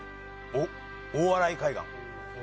お大洗海岸。